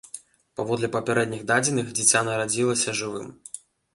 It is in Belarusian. Паводле папярэдніх дадзеных, дзіця нарадзілася жывым.